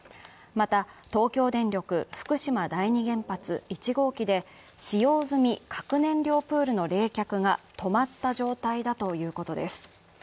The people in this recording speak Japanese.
また東京電力福島第二原発１号機で使用済み核燃料プールの冷却が止まった状態だということです。